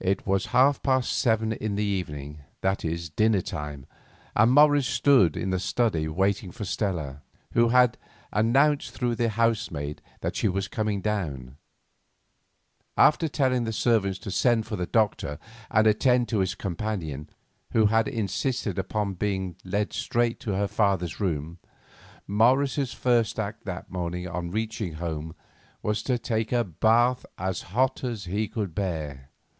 It was half past seven in the evening, that is, dinner time, and Morris stood in the study waiting for Stella, who had announced through the housemaid that she was coming down. After telling the servants to send for the doctor and attend to his companion, who had insisted upon being led straight to her father's room, Morris's first act that morning on reaching home was to take a bath as hot as he could bear.